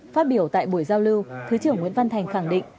phát biểu tại buổi giao lưu thứ trưởng nguyễn văn thành khẳng định